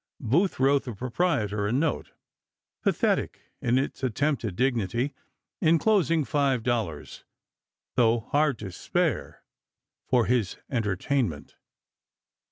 Booth wrote the p ««.' proprietor a note, pathetic in its attempted dignity, inclosing five dollars —" though hard to spare "— for his entertainment.